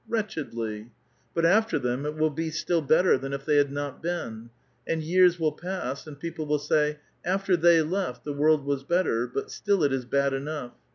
Wretchedly. But after them it will be still better than if they had not been. And years will pass, and people will sa}*, "After they left, the world was better, but still it is bad enough."